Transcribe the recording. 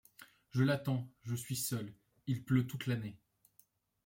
Je l'attends, je suis seule, il pleut toute l'année